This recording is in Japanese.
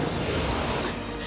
あっ。